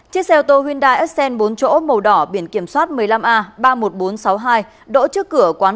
chiếc xe ô tô hyundai ascend bốn chỗ màu đỏ biển kiểm soát một mươi năm a ba mươi một nghìn bốn trăm sáu mươi hai đỗ trước cửa quán karaoke bảo công